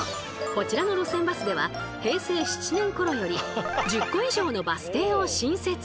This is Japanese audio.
こちらの路線バスでは平成７年ころより１０個以上のバス停を新設！